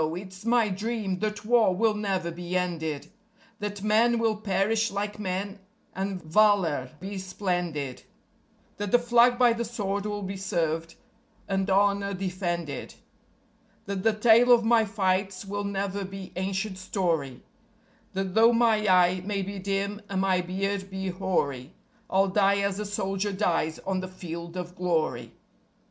it's my dream that War will never be ended; That men will perish like men, and valour be splendid; That the Flag by the sword will be served, and honour defended. That the tale of my fights will never be ancient story; That though my eye may be dim and my beard be hoary, I'll die as a soldier dies on the Field of Glory.